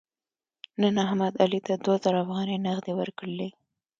نن احمد علي ته دوه زره افغانۍ نغدې ورکړلې.